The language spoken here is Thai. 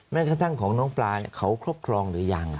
แม้กระทั่งของน้องปลาเขาครอบครองหรือยัง